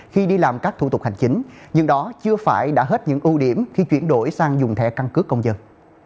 khi đi làm các thủ tục hành chính nhưng đó chưa phải đã hết những ưu điểm khi chuyển đổi sang dùng thẻ căn cước công dân